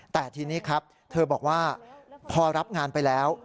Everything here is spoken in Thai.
แต่ทีนี้ครับเธอบอกว่าพอรับงานไปแล้ว